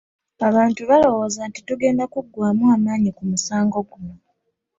Abantu abo balowooza nti tugenda kuggwamu amaanyi ku musango guno.